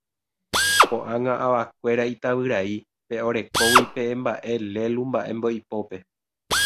ko'ág̃a avakuéra itavyrai pe orekógui pe mba'e lélu mba'émbo ipópe.